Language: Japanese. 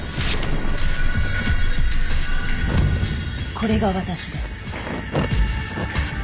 これが私です。